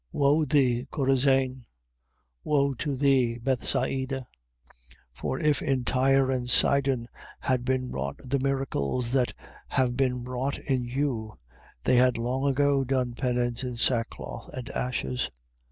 11:21. Woe thee, Corozain, woe to thee, Bethsaida: for if in Tyre and Sidon had been wrought the miracles that have been wrought in you, they had long ago done penance in sackcloth and ashes.